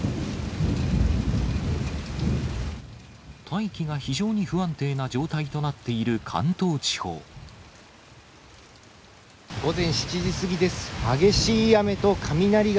大気が非常に不安定な状態となっ午前７時過ぎです。